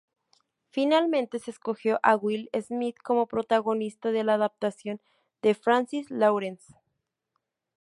Finalmente se escogió a Will Smith como protagonista de la adaptación de Francis Lawrence.